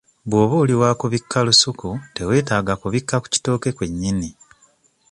Bw'oba oli wa kubikka lusuku teweetaaga kubikka ku kitooke kwe nnyini.